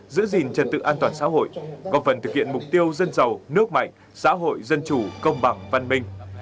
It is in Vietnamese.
giữ gìn trật tự an toàn xã hội góp phần thực hiện mục tiêu dân giàu nước mạnh xã hội dân chủ công bằng văn minh